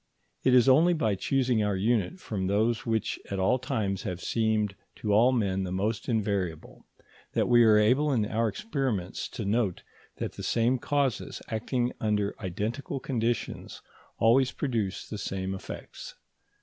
It is only by choosing our unit from those which at all times have seemed to all men the most invariable, that we are able in our experiments to note that the same causes acting under identical conditions always produce the same effects.